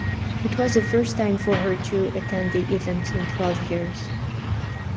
It was the first time for her to attend the event in twelve years.